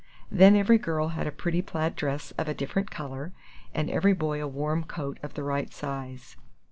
Then every girl had a pretty plaid dress of a different color, and every boy a warm coat of the right size.